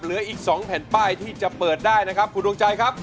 เหลืออีก๒แผ่นป้ายที่จะเปิดได้นะครับคุณดวงใจครับ